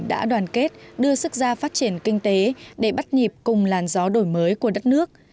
đã đoàn kết đưa sức ra phát triển kinh tế để bắt nhịp cùng làn gió đổi mới của đất nước